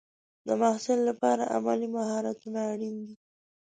د محصل لپاره عملي مهارتونه اړین دي.